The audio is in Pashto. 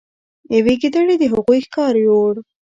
یوې ګیدړې د هغوی ښکار یووړ.